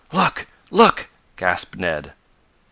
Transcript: "Look! Look!" gasped Ned.